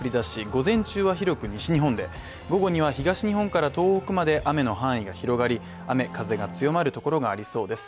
午前中は広く西日本で午後には東日本から東北まで雨の範囲が広がり、雨風が強まるところがありそうです。